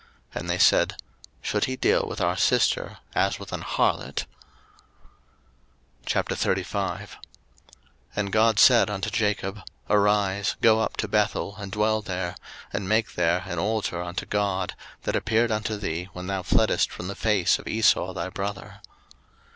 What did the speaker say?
01:034:031 And they said, Should he deal with our sister as with an harlot? 01:035:001 And God said unto Jacob, Arise, go up to Bethel, and dwell there: and make there an altar unto God, that appeared unto thee when thou fleddest from the face of Esau thy brother.